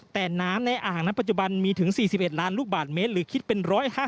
แต่น้ำในอ่างณปัจจุบันมีถึง๔๑ล้านลูกบาทเมตรหรือคิดเป็น๑๕๐